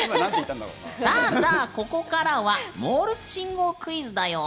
さあ、ここからはモールス信号クイズだよ。